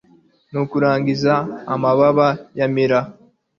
nukurangiza amababa yamira